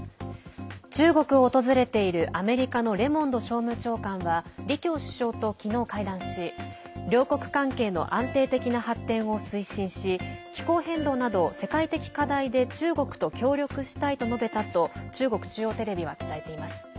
中国を訪れているアメリカのレモンド商務長官は李強首相と昨日、会談し両国関係の安定的な発展を推進し気候変動など世界的課題で中国と協力したいと述べたと中国中央テレビは伝えています。